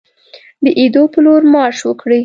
د ایدو په لور مارش وکړي.